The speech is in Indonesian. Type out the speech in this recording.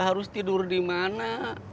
harus tidur dimana